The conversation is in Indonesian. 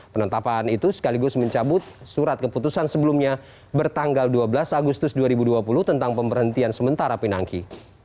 penetapan itu sekaligus mencabut surat keputusan sebelumnya bertanggal dua belas agustus dua ribu dua puluh tentang pemberhentian sementara pinangki